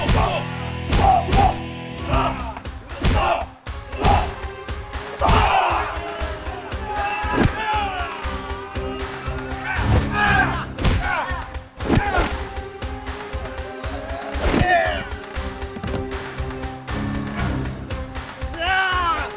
semoga selamat sampai tujuan